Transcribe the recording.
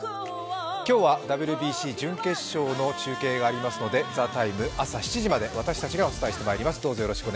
今日はＷＢＣ準決勝の中継がありますので、「ＴＨＥＴＩＭＥ，」、朝７時まで私たちがお伝えしてまいります。